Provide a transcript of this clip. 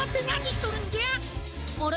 あれ？